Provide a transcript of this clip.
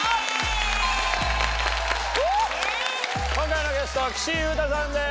今回のゲストは岸優太さんです。